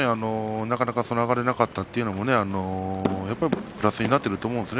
なかなか上がれなかったというのもプラスになっていると思うんですよね。